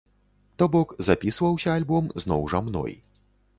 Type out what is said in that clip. То бок, запісваўся альбом зноў жа мной.